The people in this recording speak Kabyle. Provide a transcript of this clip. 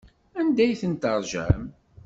Anda ay tent-teṛjam?